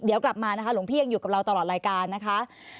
เดี๋ยวกลับมานะคะหลวงพี่ยังอยู่กับเราตลอดรายการนะคะ